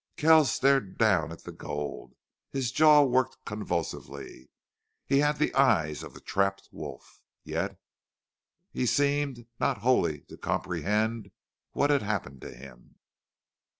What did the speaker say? Kells stared down at the gold. His jaw worked convulsively. He had the eyes of a trapped wolf. Yet he seemed not wholly to comprehend what had happened to him.